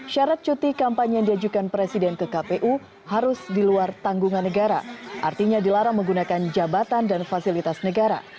syarat cuti kampanye yang diajukan presiden ke kpu harus diluar tanggungan negara artinya dilarang menggunakan jabatan dan fasilitas negara